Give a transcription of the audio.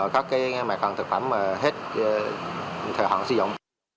các mặt hàng thực phẩm mà hết thời hạn sử dụng